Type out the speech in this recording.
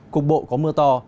cục bộ có mưa to